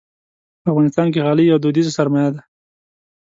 په افغانستان کې غالۍ یوه دودیزه سرمایه ده.